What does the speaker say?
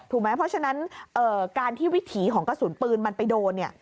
เพราะฉะนั้นวิถีของกระสุนปืนมันไปโดน